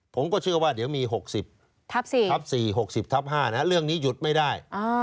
ผมก็เชื่อว่าเดี๋ยวมี๖๐